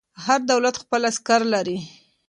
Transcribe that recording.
هر دولت خپل لښکر لري.